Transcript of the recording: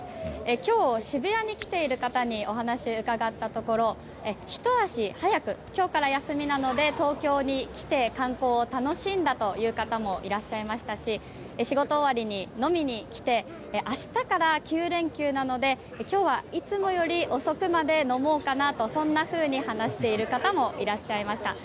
今日、渋谷に来ている方にお話を伺ったところひと足早く今日から休みなので東京に来て観光を楽しんだという方もいらっしゃいましたし仕事終わりに飲みに来て明日から９連休なので今日はいつもより遅くまで飲もうかなとそんなふうに話している方もいらっしゃいました。